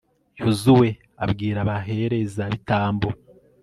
yozuwe abwira abaherezabitambo